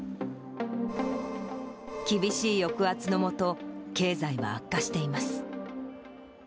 厳しい抑圧の下、経済は悪化しています。